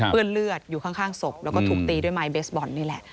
เลือดเลือดอยู่ข้างศพแล้วก็ถูกตีด้วยไม้เบสบอลนี่แหละ